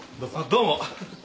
どうも。